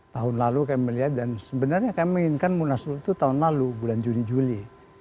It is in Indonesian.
tahun lalu kami melihat dan sebenarnya kami inginkan munaslup itu tahun lalu bulan juni juli